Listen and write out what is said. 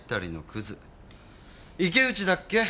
池内だっけ？